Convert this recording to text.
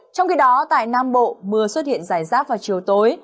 trong khi đó tại nam bộ mưa xuất hiện rải rác vào chiều tối